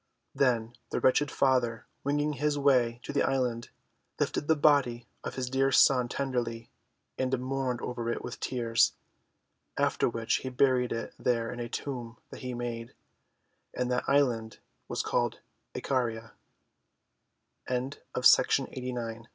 Then the wretched father, winging his way to the land, lifted the body of his dear son tenderly, and mourned over it with tears. After which he buried it there in a tomb that he made. And that island was called Icaria.